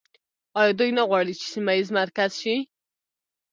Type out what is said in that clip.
آیا دوی نه غواړي چې سیمه ییز مرکز شي؟